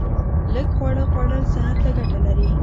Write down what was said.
لږ خواړه خوړل صحت ته ګټه لري